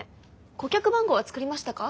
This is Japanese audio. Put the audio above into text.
顧客番号は作りましたか？